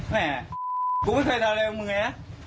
แม่กูไม่เคยเท่าไรกับมึงเนี่ย